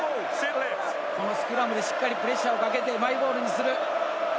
このスクラムでしっかりプレッシャーをかけてマイボールにする。